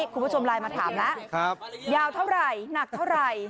คุณผู้ชมไลน์มาถามแล้วยาวเท่าไหร่หนักเท่าไหร่